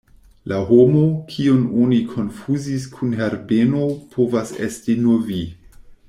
La homo, kiun oni konfuzis kun Herbeno povas esti nur vi.